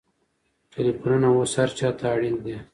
ټلېفونونه اوس هر چا ته اړین دي.